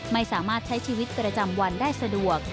ไม่สามารถใช้ชีวิตประจำวันได้สะดวก